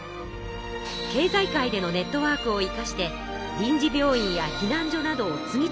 経済界でのネットワークを生かして臨時病院や避難所などを次々に設置。